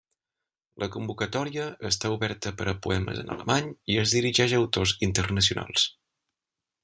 La convocatòria està oberta per a poemes en alemany i es dirigeix a autors internacionals.